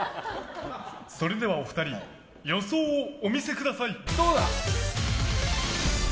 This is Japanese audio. それではお二人予想をお見せください。